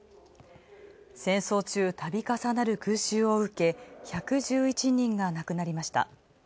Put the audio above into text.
戦争中、度重なる空襲を受け、１１１人が亡くなりました。